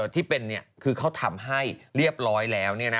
ที่เป็นเนี่ยคือเขาทำให้เรียบร้อยแล้วเนี่ยนะ